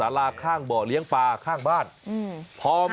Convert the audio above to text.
เอาล่ะเดินทางมาถึงในช่วงไฮไลท์ของตลอดกินในวันนี้แล้วนะครับ